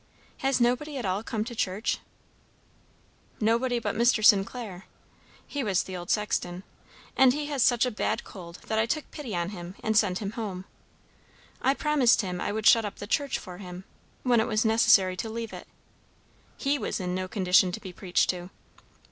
"Has nobody at all come to church?" "Nobody but Mr. St. Clair" (he was the old sexton.) "And he has such a bad cold that I took pity on him and sent him home. I promised him I would shut up the church for him when it was necessary to leave it. He was in no condition to be preached to."